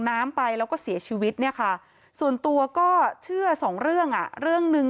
น้ำไปแล้วก็เสียชีวิตเนี่ยค่ะส่วนตัวก็เชื่อสองเรื่องอ่ะเรื่องหนึ่ง